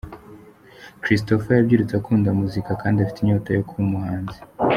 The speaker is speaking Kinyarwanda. Christopher yabyirutse akunda muzika kandi afite inyota yo kuba umuhanzi.